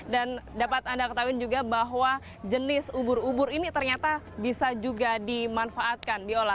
dan dapat anda ketahuin juga bahwa jenis ubur ubur ini ternyata bisa juga dimanfaatkan diolah